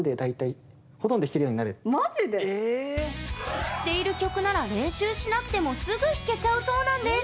知っている曲なら練習しなくてもすぐ弾けちゃうそうなんです！